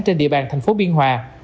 trên địa bàn thành phố biên hòa